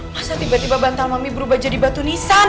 masa tiba tiba bantal mami berubah jadi batu nisan